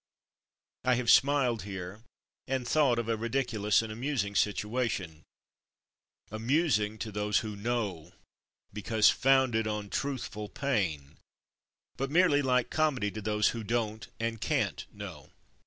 I have smiled here, and thought of a ridiculous and amusing situation — amusing to those who KNOW, because founded on truthful pain, but merely light comedy to those who don't and can't know.